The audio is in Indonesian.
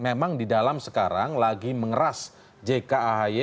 memang di dalam sekarang lagi mengeras jkahy